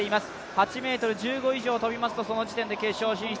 ８ｍ１５以上を跳びますと、その時点で決勝進出。